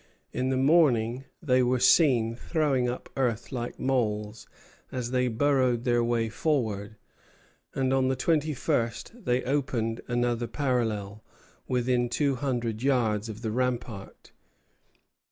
In the morning they were seen throwing up earth like moles as they burrowed their way forward; and on the twenty first they opened another parallel, within two hundred yards of the rampart.